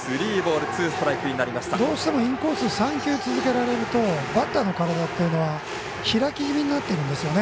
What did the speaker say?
どうしてもインコース３球続けられるとバッターの体っていうのは開き気味になるんですよね。